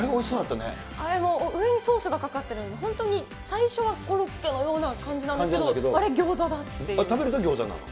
あれは上にソースがかかっているので、本当に最初はコロッケのような感じなんですけど、あれ、ギョーザ食べるとギョーザなの？